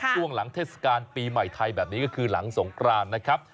ช่วงหลังเทศกาลปีใหม่ไทยแบบนี้ก็คือหลังสงกรานนะครับ